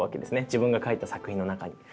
自分が書いた作品の中に。